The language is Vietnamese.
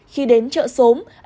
khi đến chợ sốm anh bằng nói